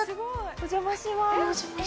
お邪魔します。